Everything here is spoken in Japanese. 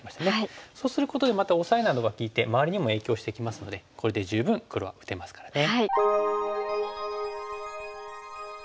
そうすることでまたオサエなどが利いて周りにも影響してきますのでこれで十分黒は打てますからね。